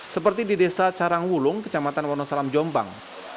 seperti di desa carangwulung kecamatan wonosalam jombang